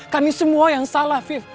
kami semua yang salah fif